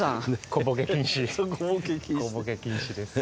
小ボケ禁止です。